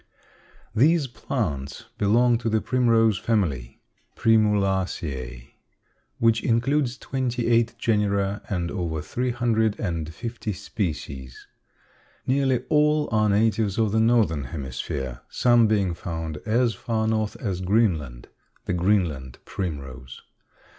These plants belong to the Primrose family (Primulaceæ) which includes twenty eight genera and over three hundred and fifty species. Nearly all are natives of the Northern hemisphere, some being found as far north as Greenland (the Greenland primrose).